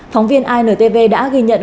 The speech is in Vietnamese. phóng viên intv đã ghi nhận